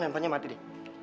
nelfonnya mati deh